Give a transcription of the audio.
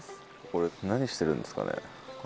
これ何してるんですかね？